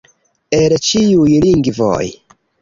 El ĉiuj lingvoj!